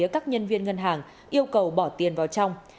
các nhân viên ngân hàng yêu cầu bỏ tiền vào trong